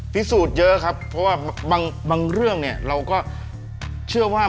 พิสูจน์เยอะครับเพราะว่าบางเรื่องเนี่ยเราก็เชื่อว่า